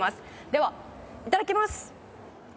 ではいただきます！